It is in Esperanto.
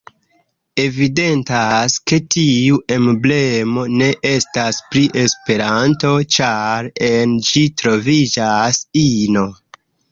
Evidentas ke tiu emblemo ne estas pri Esperanto, ĉar en ĝi troviĝas ino.